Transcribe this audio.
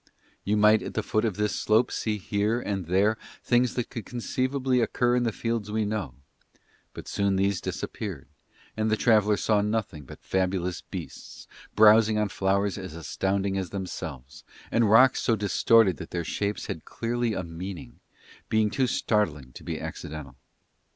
You might at the foot of this slope see here and there things that could conceivably occur in the fields we know; but soon these disappeared, and the traveller saw nothing but fabulous beasts, browsing on flowers as astounding as themselves, and rocks so distorted that their shapes had clearly a meaning, being too startling to be accidental.